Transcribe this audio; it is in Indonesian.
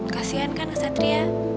kasian kan satria